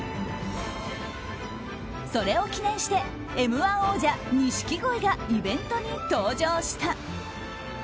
それを記念して「Ｍ‐１」王者錦鯉がイベントに登場した。